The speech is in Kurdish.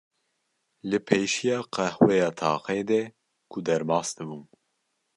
Li pêşiya qehweya taxê de ku derbas dibûm